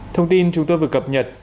thông tin chúng tôi vừa cập nhật